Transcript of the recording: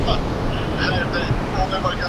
که ته له خلکو سره ښه تېر شې هغوی به درسره مینه وکړي.